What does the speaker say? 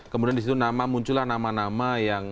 kemudian disitu muncullah nama nama